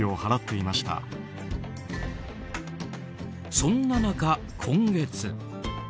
そんな中、今月。